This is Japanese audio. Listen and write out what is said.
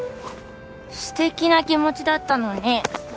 素敵な気持ちだったのに。